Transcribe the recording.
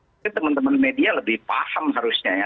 mungkin teman teman media lebih paham harusnya ya